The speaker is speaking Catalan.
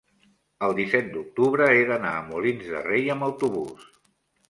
el disset d'octubre he d'anar a Molins de Rei amb autobús.